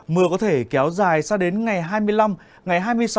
mưa có thể kéo dài sang đến ngày hai mươi năm ngày hai mươi sáu